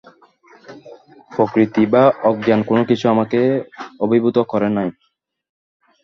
প্রকৃতি বা অজ্ঞান কোন কিছুই আমাকে অভিভূত করে নাই।